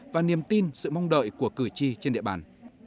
và niềm tin sự mong đợi của cử tri trên địa bàn